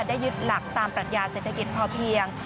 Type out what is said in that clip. ยึดหลักตามปรัชญาเศรษฐกิจพอเพียง